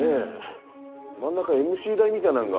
真ん中ＭＣ台みたいなのが。